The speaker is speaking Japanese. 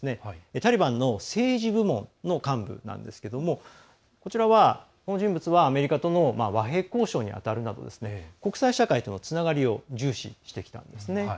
タリバンの政治部門の幹部なんですけどもこちらは、アメリカとの和平交渉に当たるなど国際社会とのつながりを重視してきたんですね。